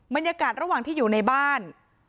บรรยากาศระหว่างที่อยู่ในบ้าน